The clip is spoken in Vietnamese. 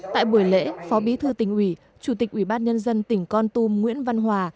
tại buổi lễ phó bí thư tỉnh ủy chủ tịch ủy ban nhân dân tỉnh con tum nguyễn văn hòa